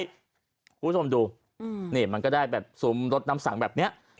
คุณผู้ชมดูนี่มันก็ได้แบบซุ้มรถน้ำสังแบบนี้